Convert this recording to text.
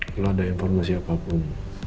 kalau ada informasi apapun